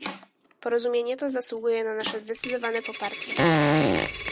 Porozumienie to zasługuje na nasze zdecydowane poparcie